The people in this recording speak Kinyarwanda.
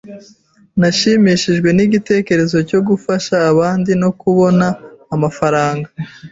Nashimishijwe n'igitekerezo cyo gufasha abandi no kubona amafaranga.